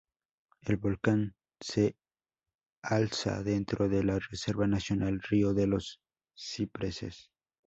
El volcán se alza dentro de la Reserva Nacional Río de Los Cipreses.